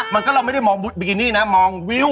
แล้วไม่ได้มองบิเกษนีนะมองวิว